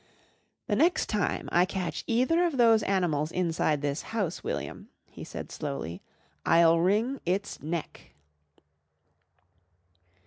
"The next time I catch either of those animals inside this house, William," he said slowly, "I'll wring its neck."